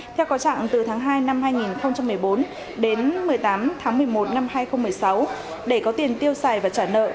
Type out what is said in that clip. theo có trạng từ tháng hai năm hai nghìn một mươi bốn đến một mươi tám tháng một mươi một năm hai nghìn một mươi sáu để có tiền tiêu xài và trả nợ